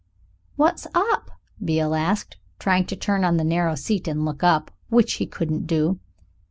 "What's up?" Beale asked, trying to turn on the narrow seat and look up, which he couldn't do.